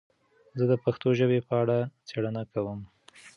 زه د پښتو ژبې په اړه څېړنه کوم.